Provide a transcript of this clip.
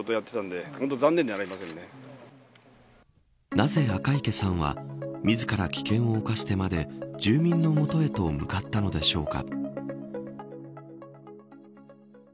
なぜ赤池さんは自ら危険を冒してまで住民の元へと向かったのでしょうか。